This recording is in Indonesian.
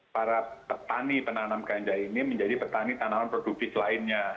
para petani penanam ganja ini menjadi petani tanaman produktif lainnya